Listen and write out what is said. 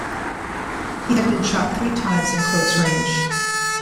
He had been shot three times at close range.